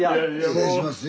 失礼します